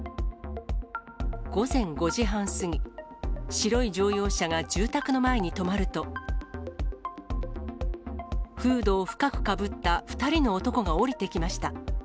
午前５時半過ぎ、白い乗用車が住宅の前に止まると、フードを深くかぶった２人の男が降りてきました。